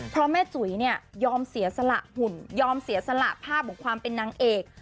เพราะแม่จุ๋ยเนี่ยยอมเสียสละหุ่นยอมเสียสละภาพของความเป็นนางเอก